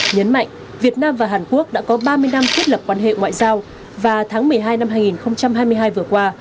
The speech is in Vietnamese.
nhấn mạnh việt nam và hàn quốc đã có ba mươi năm thiết lập quan hệ ngoại giao và tháng một mươi hai năm hai nghìn hai mươi hai vừa qua